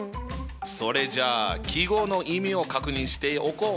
それじゃあ記号の意味を確認しておこう。